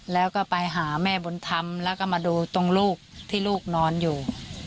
แล้วก็ไปหาแม่บุญธรรมแล้วก็มาดูตรงลูกที่ลูกนอนอยู่